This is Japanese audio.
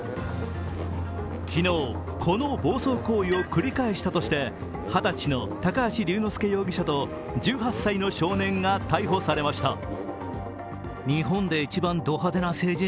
昨日、この暴走行為を繰り返したとして二十歳の高橋隆之介容疑者と１８歳の少年が逮捕されました。